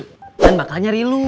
orang orang bakal tau